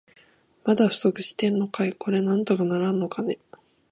まだ不足してんのかい。これなんとかならんのかね。